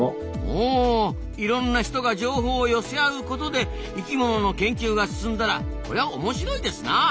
ほういろんな人が情報を寄せ合うことで生きものの研究が進んだらこりゃおもしろいですなあ。